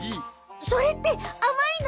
それって甘いの？